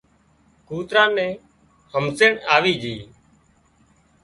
ڪوترا نين همزيڻ آوي جھئي